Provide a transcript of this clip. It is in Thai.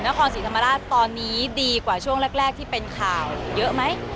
นครศรีธรรมราชตอนนี้ดีกว่าช่วงแรกที่เป็นข่าวเยอะไหม